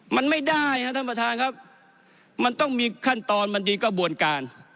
มันไม่ได้ครับท่านประธานครับมันต้องมีขั้นตอนมันมีกระบวนการ